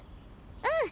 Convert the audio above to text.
うん！